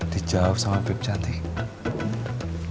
dijawab sama beb cantik